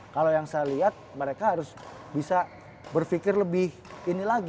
kalau yang saya lihat mereka harus bisa berpikir lebih ini lagi